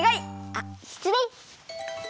あっしつれい。